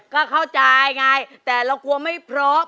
ก็เข้าใจไงแต่เรากลัวไม่พร้อม